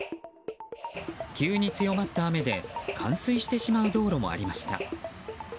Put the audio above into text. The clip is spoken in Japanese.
急に強まった雨で冠水してしまう道路もありました。